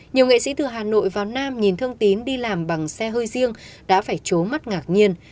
nhiều nghệ sĩ từ hà nội vào nam nhìn thương tín đi làm bằng xe hơi riêng đã phải chố mắt ngạc nhiên